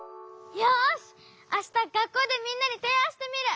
よしあしたがっこうでみんなにていあんしてみる！